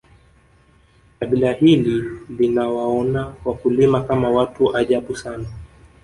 kabila hili linawaona wakulima Kama watu ajabu sana